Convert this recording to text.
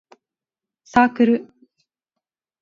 サークル